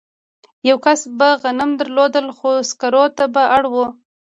یوه کس به غنم درلودل خو سکارو ته به اړ و